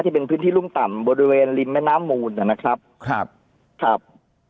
จะเป็นพื้นที่รุ่มต่ำบริเวณริมแม่น้ำมูลนะครับครับ